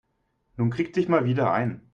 Nun krieg dich mal wieder ein.